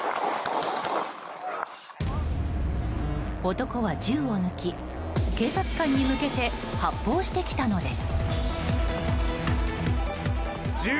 男は銃を抜き、警察官に向けて発砲してきたのです。